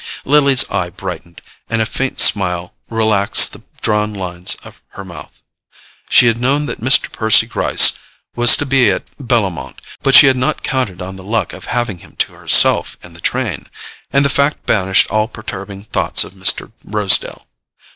Lily's eye brightened, and a faint smile relaxed the drawn lines of her mouth. She had known that Mr. Percy Gryce was to be at Bellomont, but she had not counted on the luck of having him to herself in the train; and the fact banished all perturbing thoughts of Mr. Rosedale.